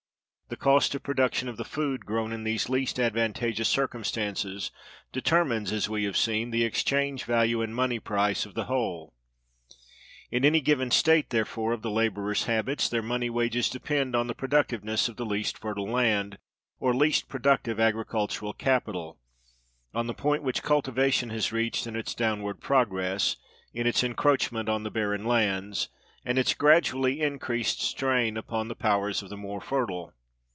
The cost of production of the food grown in these least advantageous circumstances determines, as we have seen, the exchange value and money price of the whole. In any given state, therefore, of the laborers' habits, their money wages depend on the productiveness of the least fertile land, or least productive agricultural capital: on the point which cultivation has reached in its downward progress—in its encroachments on the barren lands, and its gradually increased strain upon the powers of the more fertile.